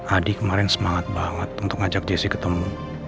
adi kemarin semangat banget untuk ngajak jessi ketemu